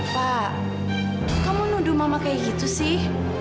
pak kamu nuduh mama kayak gitu sih